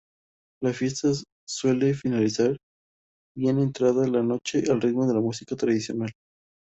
La fiesta suele finalizar bien entrada la noche al ritmo de la música tradicional.